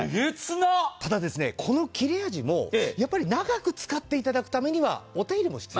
ただこの切れ味もやっぱり長く使っていただくためにはお手入れも必要。